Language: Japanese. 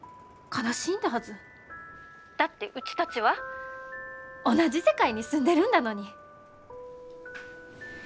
☎だってうちたちは同じ世界に住んでるんだのに。